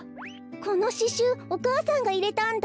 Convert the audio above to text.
このししゅうお母さんがいれたんだ。